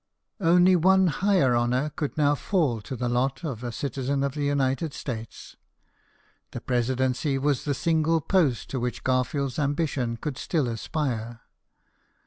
Only one higher honour could now fall to the lot of a citizen of the United States. The presidency was the single post to which Gar field's ambition could still aspire.